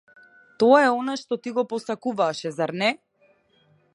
Тоа е она што ти го посакуваше, зар не?